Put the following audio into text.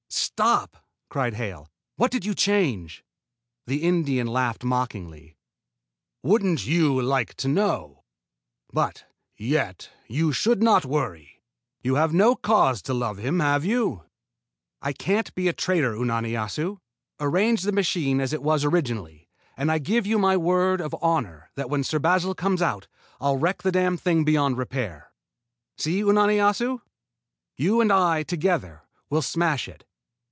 "Stop!" cried Hale. "What did you change?" The Indian laughed mockingly. "Wouldn't you like to know? But, yet, you should not worry. You have no cause to love him, have you?" "I can't be a traitor, Unani Assu! Arrange the machine as it was originally, and I give you my word of honor than when Sir Basil comes out, I'll wreck the damned thing beyond repair. See, Unani Assu? You and I together will smash it."